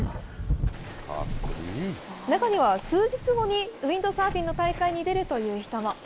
中には数日後にウインドサーフィンの大会に出るという人も。